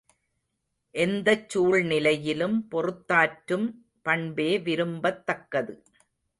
எந்தச் சூழ்நிலையிலும் பொறுத்தாற்றும் பண்பே விரும்பத்தக்கது.